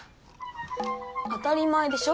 当たり前でしょ。